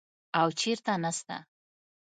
او چېرته نسته.